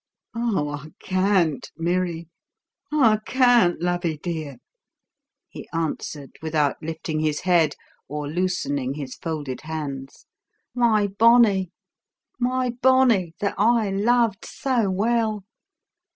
"Oh, I can't, Mirry I can't, lovie, dear!" he answered without lifting his head or loosening his folded hands. "My bonnie, my bonnie, that I loved so well!